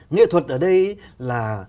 nghệ thuật ở đây là